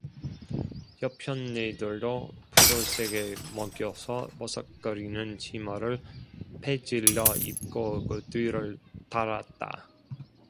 여편네들도 풀을 세게 먹여서 버석거리는 치마를 빼질러 입고 그 뒤를 따랐다.